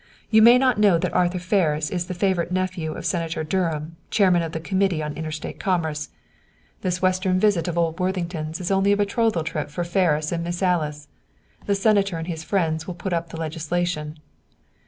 You may not know that Arthur Ferris is the favorite nephew of Senator Durham, Chairman of the Committee on Interstate Commerce. "This Western visit of old Worthington's is only a betrothal trip for Ferris and Miss Alice. The Senator and his friends will put up the legislation.